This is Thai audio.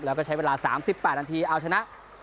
แล้วก็ใช้เวลา๓๘นาทีเอาชนะ